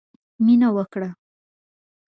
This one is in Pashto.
مينه ورکړه.